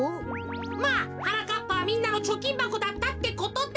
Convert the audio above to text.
まあはなかっぱはみんなのちょきんばこだったってことだ。